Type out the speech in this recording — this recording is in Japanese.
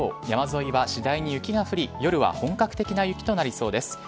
山沿いは次第に雪が降り夜は本格的な雪となりそうです。